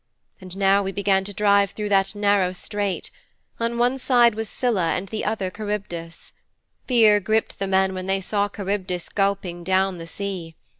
And now we began to drive through that narrow strait. On one side was Scylla and on the other Charybdis. Fear gripped the men when they saw Charybdis gulping down the sea.